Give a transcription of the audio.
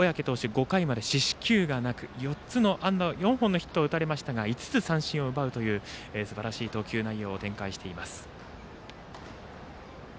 ５回まで四死球がなく４本のヒットを打たれましたが５つ三振を奪うというすばらしい投球内容を展開しています。